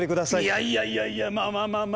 いやいやいやいやまあまあまあまあ。